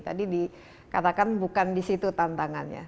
tadi dikatakan bukan di situ tantangannya